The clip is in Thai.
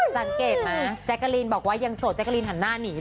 สังเกตไหมแจ๊กกะลีนบอกว่ายังโสดแจ๊กรีนหันหน้าหนีเลย